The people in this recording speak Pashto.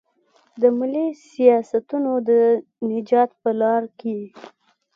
د ملي سیاستونو د نجات په لار کې.